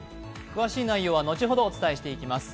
詳しい内容は後ほどお伝えしていきます。